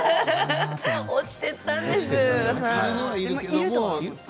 落ちてったんです。